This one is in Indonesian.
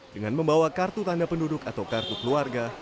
dengan membawa kartu tanda penduduk atau kartu keluarga